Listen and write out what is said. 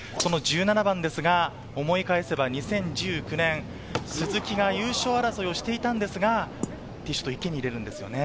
１７番は思い返せば２０１９年、鈴木が優勝争いをしていたんですが、池に入れるんですよね。